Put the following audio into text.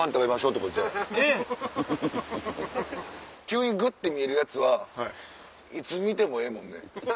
急にグッて見えるやつはいつ見てもええもんね。